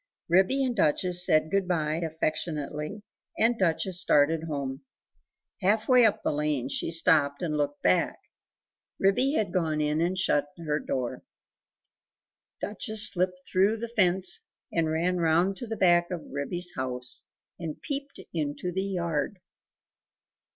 Ribby and Duchess said good bye affectionately, and Duchess started home. Half way up the lane she stopped and looked back; Ribby had gone in and shut her door. Duchess slipped through the fence, and ran round to the back of Ribby's house, and peeped into the yard.